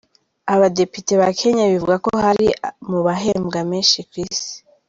Abadepite ba Kenya bivugwa ko bari mu bahembwa menshi ku Isi.